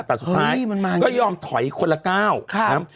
แต่สุดท้ายก็ยอมถอยคนละก้าวนะ